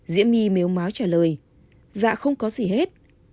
diễm my mếu máu trả lời dạ không có gì hết